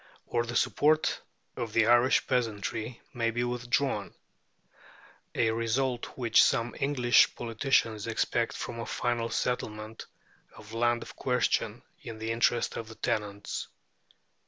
Or the support of the Irish peasantry may be withdrawn a result which some English politicians expect from a final settlement of the land question in the interest of the tenants.